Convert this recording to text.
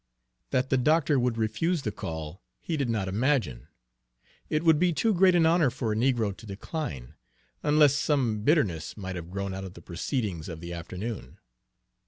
That the doctor would refuse the call, he did not imagine: it would be too great an honor for a negro to decline, unless some bitterness might have grown out of the proceedings of the afternoon.